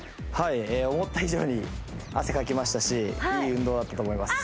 思った以上に汗かきましたしいい運動になったと思います